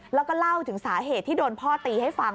แล้วก็เล่าถึงสาเหตุที่โดนพ่อตีให้ฟัง